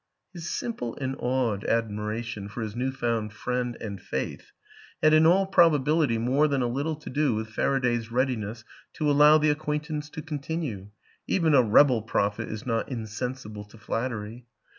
His simple and awed admiration for his new found friend and faith had in all probability more than a little to do with Faraday's readiness to allow the acquaintance to continue even a rebel prophet is not insensible to flattery.